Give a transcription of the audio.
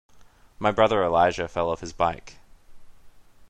My brother Elijah fell off his bike.